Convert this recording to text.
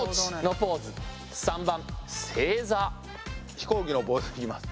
飛行機のポーズいきます。